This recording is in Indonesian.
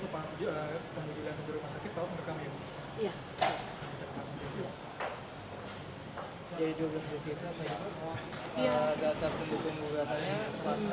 bo berarti untuk paham juga kemudian kejuruteraan sakit kalau merekamnya